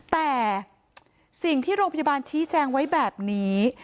แต่สิ่งที่โรงพยาบาลชี้แจงไว้แบบนี้